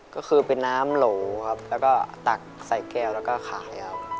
ก็คือเป็นน้ำโหลครับแล้วก็ตักใส่แก้วแล้วก็ขายครับ